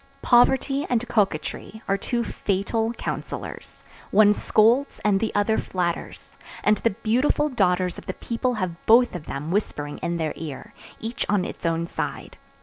Poverty and coquetry are two fatal counsellors; one scolds and the other flatters, and the beautiful daughters of the people have both of them whispering in their ear, each on its own side.